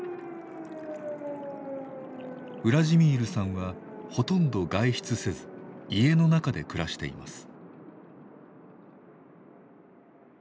ウラジミールさんはほとんど外出せず家の中で暮らしています。